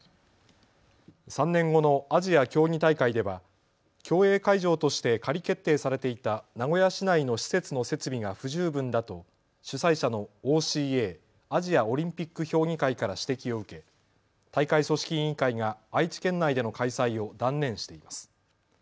３年後のアジア競技大会では競泳会場として仮決定されていた名古屋市内の施設の設備が不十分だと主催者のＯＣＡ・アジア・オリンピック評議会から指摘を受け大会組織委員会が愛知県内での開催を断念しています。